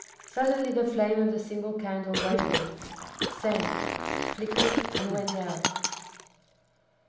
Suddenly the flame of the single candle wavered, sank, flickered, and went out.